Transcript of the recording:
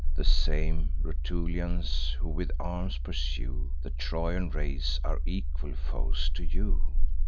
The same Rutulians, who with arms pursue The Trojan race, are equal foes to you.